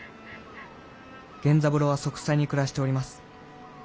源三郎は息災に暮らしております。